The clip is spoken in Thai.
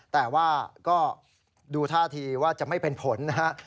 แต่ว่าก็ดูท่าทีว่าจะไม่เป็นผลนะฮะ